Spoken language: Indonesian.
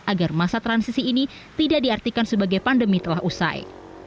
agar masa transisi ini tidak diartikan sebagai pandemi telah usai